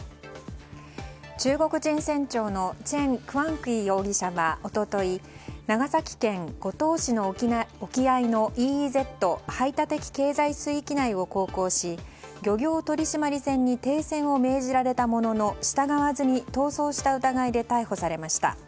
中国人船長のチェン・クアンクィ容疑者は一昨日、長崎県五島市の沖合のＥＥＺ・排他的経済水域内を航行し漁業取締船に停船を命じられたものの従わずに逃走した疑いで逮捕されました。